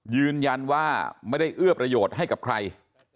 ยืนยันว่าไม่ได้เอื้อประโยชน์ให้กับใคร